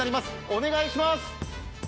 お願いします。